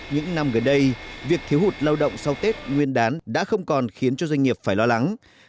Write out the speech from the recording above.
những năm gần đây việc thiếu hụt lao động sau tết nguyên đán đã không còn khiến cho doanh nghiệp phải lo lắng